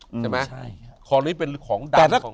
ใช่ไหมของนี้เป็นของดำ